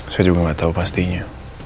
saya juga enggak tau pastinya